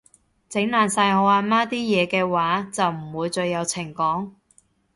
整爛晒我阿媽啲嘢嘅話，就唔會再有情講